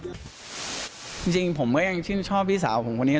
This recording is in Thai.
จริงผมก็ยังชื่นชอบพี่สาวผมคนนี้